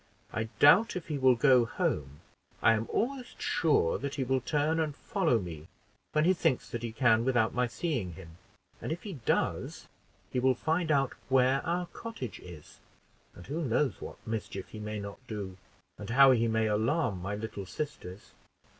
I doubt if he will go home; I am almost sure that he will turn and follow me when he thinks that he can without my seeing him; and if he does, he will find out where our cottage is and who knows what mischief he may not do, and how he may alarm my little sisters?